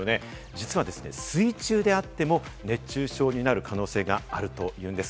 実は水中であっても熱中症になる可能性があるというんです。